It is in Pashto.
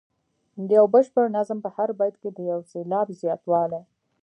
د یو بشپړ نظم په هر بیت کې د یو سېلاب زیاتوالی.